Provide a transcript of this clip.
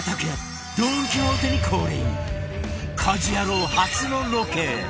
『家事ヤロウ！！！』初のロケ